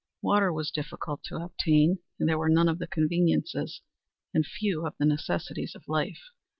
Water was difficult to obtain and there were none of the conveniences and few of the necessities of life.